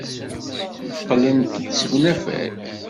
Qqlent-d seg unafag.